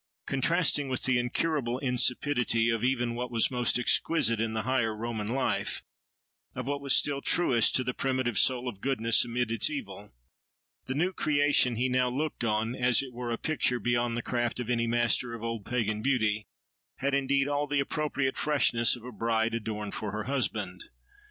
Contrasting with the incurable insipidity even of what was most exquisite in the higher Roman life, of what was still truest to the primitive soul of goodness amid its evil, the new creation he now looked on—as it were a picture beyond the craft of any master of old pagan beauty—had indeed all the appropriate freshness of a "bride adorned for her husband."